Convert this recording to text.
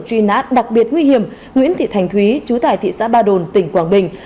truy nát đặc biệt nguy hiểm nguyễn thị thành thúy chú tài thị xã ba đồn tỉnh quảng bình